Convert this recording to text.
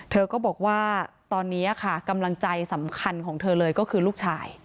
เธอก็บอกว่าตอนนี้ค่ะกำลังใจสำคัญของเธอเลยก็คือลูกชาย